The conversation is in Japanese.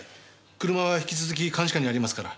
車は引き続き監視下にありますから。